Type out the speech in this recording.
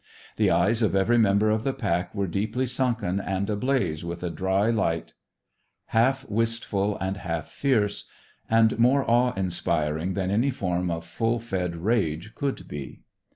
The eyes of every member of the pack were deeply sunken and ablaze with a dry light, half wistful and half fierce, and more awe inspiring than any form of full fed rage could be.